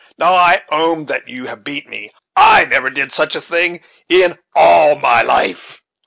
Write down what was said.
Now I own that you have beat me; I never did such a thing in all my life."